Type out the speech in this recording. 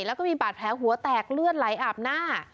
แล้วก็มีบาดแผลหัวแตกเลือดไหลอาบหน้า